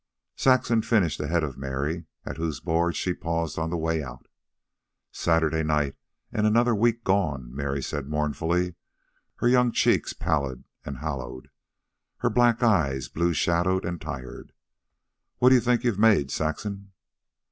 Saxon finished ahead of Mary, at whose board she paused on the way out. "Saturday night an' another week gone," Mary said mournfully, her young cheeks pallid and hollowed, her black eyes blue shadowed and tired. "What d'you think you've made, Saxon?"